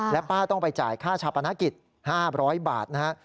และป้าต้องไปจ่ายค่าชาปนกิจ๕๐๐บาทนะฮะ